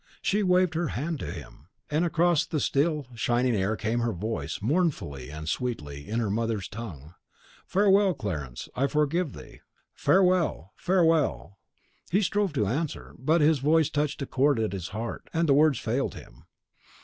She waved her hand to him, and across the still and shining air came her voice, mournfully and sweetly, in her mother's tongue, "Farewell, Clarence, I forgive thee! farewell, farewell!" He strove to answer; but the voice touched a chord at his heart, and the words failed him.